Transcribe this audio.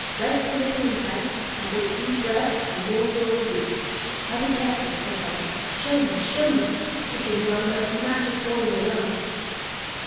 Rest in between times an' take deep breaths an' don't overdo." "I'll be careful," said Colin. "Show me! Show me! Dickon, you are the most Magic boy in the world!"